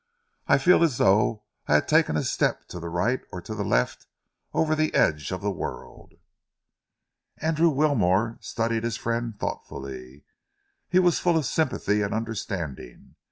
I feel as though I had taken a step to the right or to the left over the edge of the world." Andrew Wilmore studied his friend thoughtfully. He was full of sympathy and understanding.